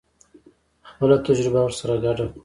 خپله تجربه ورسره ګډه کړو.